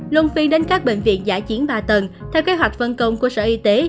luân phiên đến các bệnh viện giả chiến ba tầng theo kế hoạch phân công của sở y tế